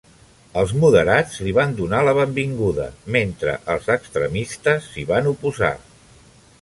Els moderats li van donar la benvinguda, mentre els extremistes s'hi van oposar.